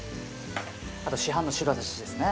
あと市販の白だしですね。